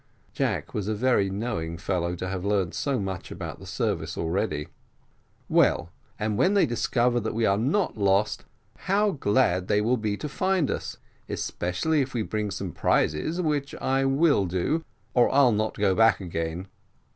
(Jack was a very knowing fellow to have learned so much about the service already.) "Well, and when they discover that we are not lost, how glad they will be to find us, especially if we bring some prizes which I will do, or I'll not go back again.